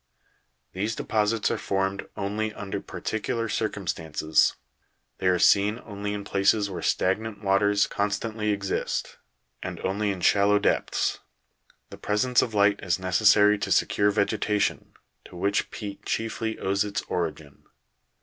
These deposits are formed only under particular circumstances : they are seen only in places where stagnant waters constantly exist, and only in shallow depths ; the presence of light is necessary to secure vegetation, to which peat chiefly owes its origin.